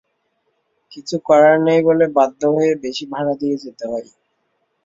কিছু করার নেই বলে বাধ্য হয়ে বেশি ভাড়া দিয়ে যেতে হয়।